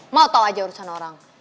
mau tahu aja urusan orang